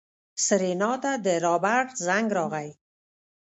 سېرېنا ته د رابرټ زنګ راغی.